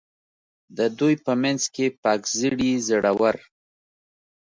د دوی په منځ کې پاک زړي، زړه ور.